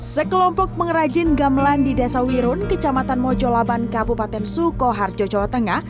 sekelompok pengrajin gamelan di desa wirun kecamatan mojolaban kabupaten sukoharjo jawa tengah